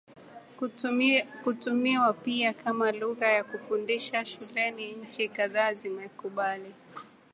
kutumiwa pia kama lugha ya kufundishia shuleni Nchi kadhaa zimekubali